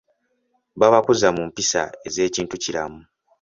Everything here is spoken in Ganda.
Babakuza mu mpisa ez'ekintu kiramu.